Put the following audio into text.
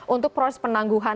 untuk proses penangguhan